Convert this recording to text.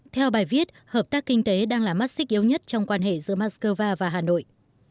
theo bài viết hợp tác kinh tế đang là mắt xích yếu nhất trong quan hệ giữa mắc cơ va và hà nội